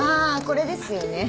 これですよね？